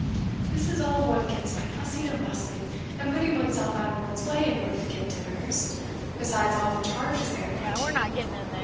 This is all one gets by fussing and bustling, and putting one's self out of one's way in order to give dinners, besides all the charges they are put to!